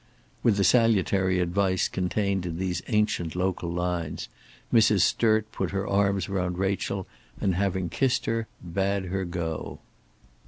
With the salutary advice contained in these ancient local lines Mrs. Sturt put her arms round Rachel, and having kissed her, bade her go.